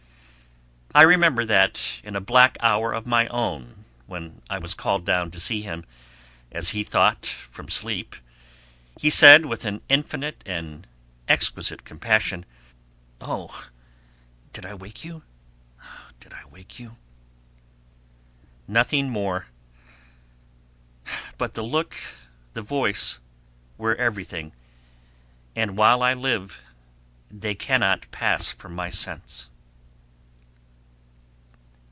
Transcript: I remember that in a black hour of my own when I was called down to see him, as he thought from sleep, he said with an infinite, an exquisite compassion, "Oh, did I wake you, did I wake, you?" Nothing more, but the look, the voice, were everything; and while I live they cannot pass from my sense.